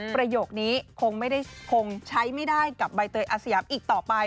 ประโยคนี้คงใช้ไม่ได้กับใบเตยอาศียำอีกต่อไป